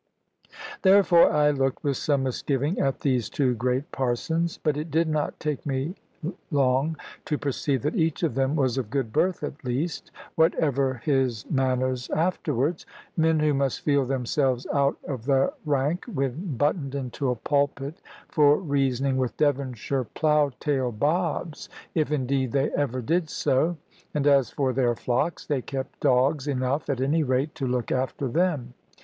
Therefore I looked with some misgiving at these two great parsons; but it did not take mo long to perceive that each of them was of good birth at least, whatever his manners afterwards, men who must feel themselves out of their rank when buttoned into a pulpit for reasoning with Devonshire plough tail Bobs, if indeed they ever did so; and as for their flocks, they kept dogs enough at any rate to look after them.